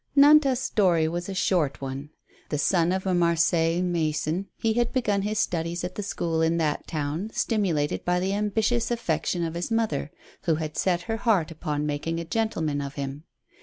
Nantas' story was a short one. The son of a Mar seilles mason, he had begun his studies at the school in that town, stimulated by the ambitious affection of his mother, who had set her heart upon making a gentleman of him.